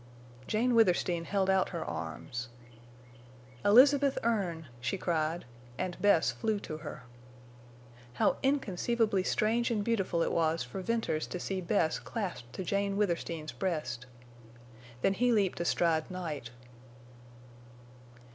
Jane Withersteen held out her arms. "Elizabeth Erne!" she cried, and Bess flew to her. How inconceivably strange and beautiful it was for Venters to see Bess clasped to Jane Withersteen's breast! Then he leaped astride Night.